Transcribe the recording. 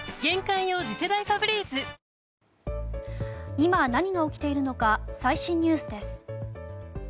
今、何が起きているのか最新ニュースです。